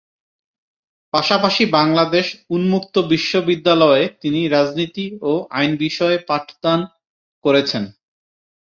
পাশাপাশি বাংলাদেশ উন্মুক্ত বিশ্ববিদ্যালয়ে তিনি রাজনীতি ও আইন বিষয়ে পাঠদান করেছেন।